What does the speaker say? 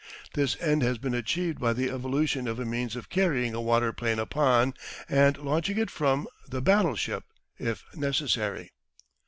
This end has been achieved by the evolution of a means of carrying a waterplane upon, and launching it from, a battleship, if necessary.